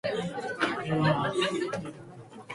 人生とは、予測不可能な出来事の連続ですね。